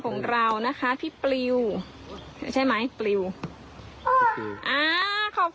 นี่โชว์